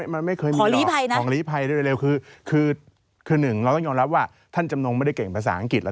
มันไม่เคยมีของลีภัยได้เร็วคือหนึ่งเราต้องยอมรับว่าท่านจำนงไม่ได้เก่งภาษาอังกฤษหรอก